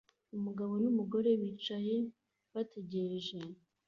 Umugabo numugore bicaye bategereje